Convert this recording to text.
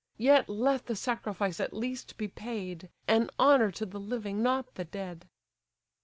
Yet let the sacrifice at least be paid, An honour to the living, not the dead!"